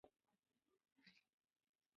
زه ماشومان په رسۍ نه شم تړلی.